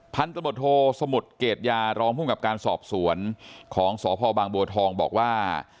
พันธบทโทสมุทรเกรดยารองภูมิกับการสอบสวนของสพบางบัวทองบอกว่า